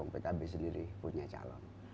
pkb sendiri punya calon